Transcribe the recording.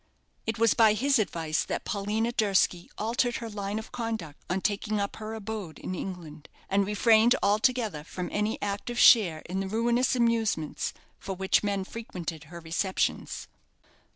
It was by his advice that Paulina Durski altered her line of conduct on taking up her abode in England, and refrained altogether from any active share in the ruinous amusements for which men frequented her receptions.